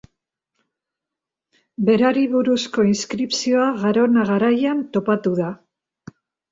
Berari buruzko inskripzioa Garona Garaian topatu da.